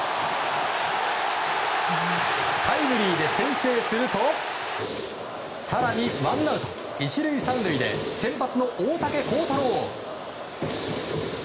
タイムリーで先制すると更にワンアウト１塁３塁で先発の大竹耕太郎。